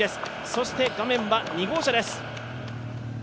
そして画面は２号車です。